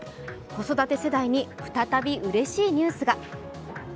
子育て世代に再びうれしいニュースが。